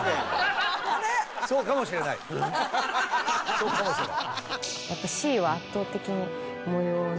そうかもしれない。